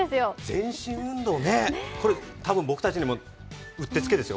全身運動ね、多分これ、僕たちにもうってつけですよ。